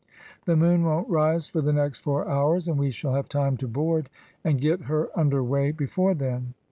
The moon won't rise for the next four hours, and we shall have time to board, and get her under weigh before then.